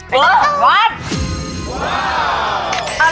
ไปทำกัน